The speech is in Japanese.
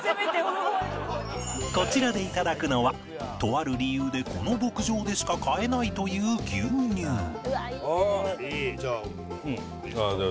こちらで頂くのはとある理由でこの牧場でしか買えないという牛乳ああじゃあ。